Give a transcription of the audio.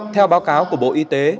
theo báo cáo của bộ y tế